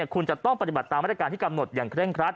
คุณจะต้องปฏิบัติตามมาตรการที่กำหนดอย่างเคร่งครัด